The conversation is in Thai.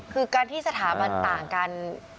คือการที่สถาบันต่างกัน